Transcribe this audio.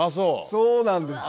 そうなんです。